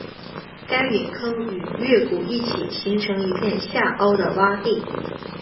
该陨坑与月谷一起形成一片下凹的洼地。